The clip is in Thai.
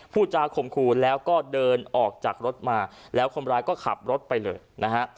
ผู้จาข่มขู่แล้วก็เดินออกจากรถมาแล้วคนร้ายก็ขับรถไปเลยนะฮะ